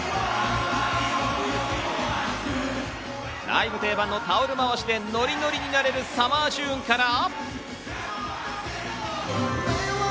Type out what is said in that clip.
ライブ定番のタオル回しでノリノリになれるサマーチューンから。